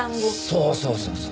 そうそうそうそうそう。